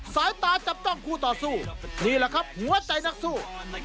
สายตาจับจ้องคู่ต่อสู้นี่แหละครับหัวใจนักสู้